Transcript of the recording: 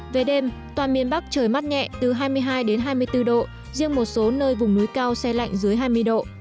về đêm toàn miền bắc trời mát nhẹ từ hai mươi hai đến hai mươi bốn độ riêng một số nơi vùng núi cao xe lạnh dưới hai mươi độ